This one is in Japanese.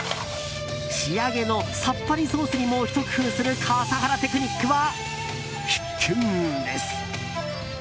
仕上げのさっぱりソースにもひと工夫する笠原テクニックは必見です。